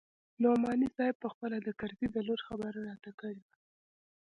نعماني صاحب پخپله د کرزي د لور خبره راته کړې وه.